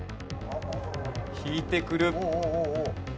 引いてくる。